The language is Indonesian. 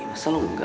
masa lu engga